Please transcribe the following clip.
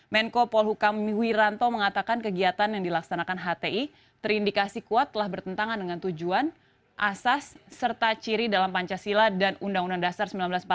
menko polhukam wiranto mengatakan kegiatan yang dilaksanakan hti terindikasi kuat telah bertentangan dengan tujuan asas serta ciri dalam pancasila dan undang undang dasar seribu sembilan ratus empat puluh lima